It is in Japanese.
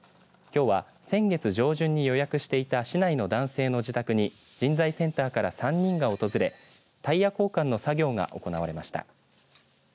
きょうは、先月上旬に予約していた市内の男性の自宅に人材センターから３人が訪れタイヤ交換の作業が行われました。